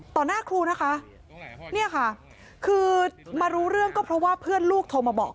หน้าครูนะคะเนี่ยค่ะคือมารู้เรื่องก็เพราะว่าเพื่อนลูกโทรมาบอก